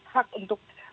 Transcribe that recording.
hak untuk menerima